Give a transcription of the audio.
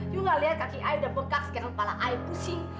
lu ga liat kaki ayah udah bekas sekarang kepala ayah pusing